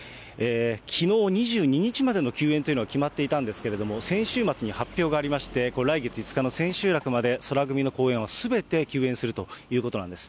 きのう２２日までの休演というのは決まっていたんですけれども、先週末に発表がありまして、来月５日の千秋楽まで宙組の公演はすべて休演するということなんです。